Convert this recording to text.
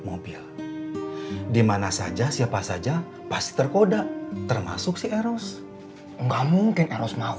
mobil dimana saja siapa saja pasti terkoda termasuk si eros enggak mungkin eros mau